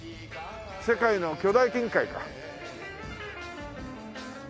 世界の巨大金塊か。